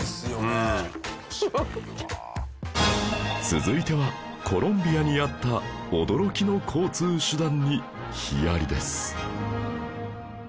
続いてはコロンビアにあった驚きの交通手段にヒヤリです